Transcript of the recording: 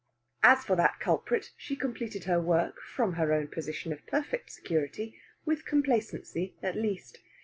As for that culprit, she completed her work, from her own position of perfect security, with complacency at least.